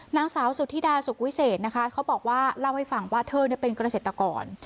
นางสาวสุธิดาสุขวิเศษนะคะเขาบอกว่าเล่าให้ฟังว่าเธอเป็นเกษตรกร